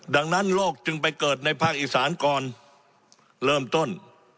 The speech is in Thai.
ดังนั้นโลกจึงไปเกิดในภาคอีสานก่อนเริ่มต้น